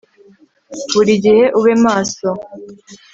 buri gihe ube maso